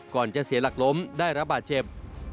จะเสียหลักล้มได้รับบาดเจ็บ